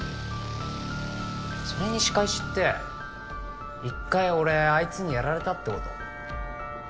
それに仕返しって一回俺あいつにやられたってこと？